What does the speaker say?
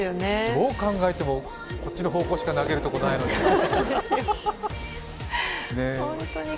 どう考えても、こっちの方向しか投げるとこないのに。